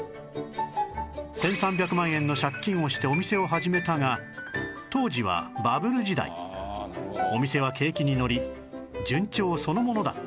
１３００万円の借金をしてお店を始めたが当時はバブル時代お店は景気にのり順調そのものだった